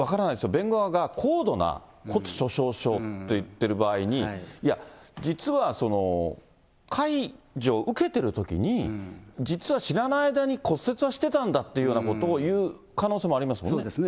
弁護側が高度な骨粗しょう症と言ってる場合に、いや、実はその介助を受けてるときに実は知らない間に骨折はしてたんだというようなことを言う可能性もありますもんね。